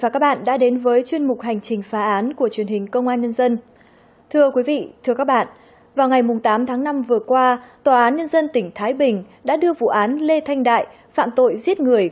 cảm ơn các bạn đã theo dõi